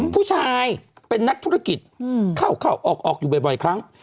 ผู้ชายเป็นนักธุรกิจเข้าออกอยู่บ่อยครั้ง